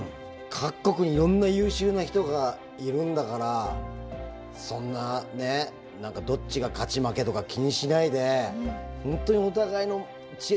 各国にいろんな優秀な人がいるんだからそんなねどっちが勝ち負けとか気にしないで本当にお互いの知恵